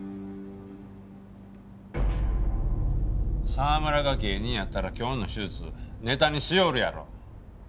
澤村が芸人やったら今日の手術ネタにしよるやろ。